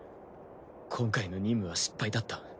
今回の任務は失敗だった。